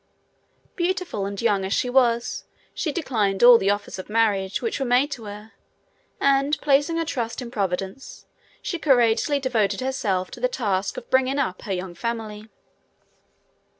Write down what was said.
Beautiful and young as she was, she declined all the offers of marriage which were made to her, and, placing her trust in Providence, she courageously devoted herself to the task of bringing up her young family.